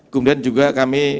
kemudian juga kami